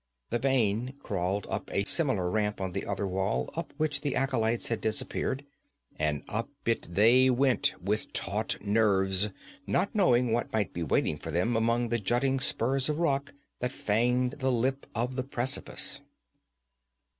The vein crawled up a similar ramp on the other wall up which the acolytes had disappeared, and up it they went with taut nerves, not knowing what might be waiting for them among the jutting spurs of rock that fanged the lip of the precipice.